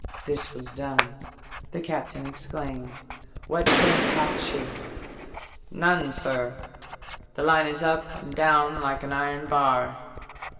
This was done. The captain exclaimed " What trend hath she ?"" None, sir. The line is up and down like an iron bar."